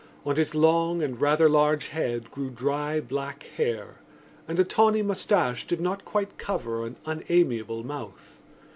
On his long and rather large head grew dry black hair and a tawny moustache did not quite cover an unamiable mouth.